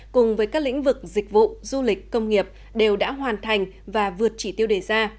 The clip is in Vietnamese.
cùng với các lĩnh vực dịch vụ du lịch công nghiệp đều đã hoàn thành và vượt chỉ tiêu đề ra